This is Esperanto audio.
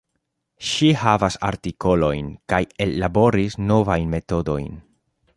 Ŝi havas artikolojn, kaj ellaboris novajn metodojn.